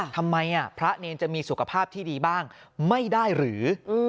พระเนรจะมีสุขภาพที่ดีบ้างไม่ได้หรือ